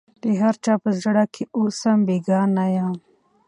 د هر چا په زړه کي اوسم بېګانه یم